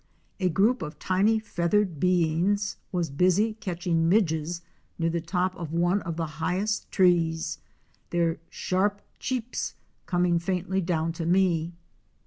A group of tiny feathered beings was busy catching midges near the top of one of the highest trees, their sharp cheeps! coming faintly down to me.